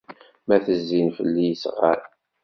Ma tezzin fell-i yesɣan.